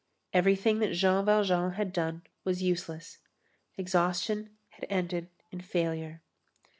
Everything that Jean Valjean had done was useless. Exhaustion had ended in failure.